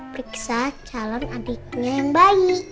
periksa calon adiknya yang baik